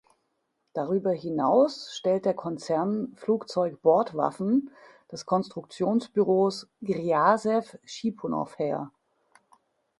Darüber hinaus stellt der Konzern Flugzeug-Bordwaffen des Konstruktionsbüros Grjasew-Schipunow her.